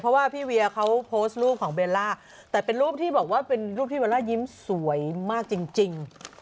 เพราะว่าพี่เวียเขาโพสต์รูปของเบลล่าแต่เป็นรูปที่บอกว่าเป็นรูปที่เบลล่ายิ้มสวยมากจริง